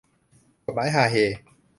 กฎหมายฮาเฮ